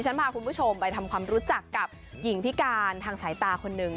พาคุณผู้ชมไปทำความรู้จักกับหญิงพิการทางสายตาคนนึง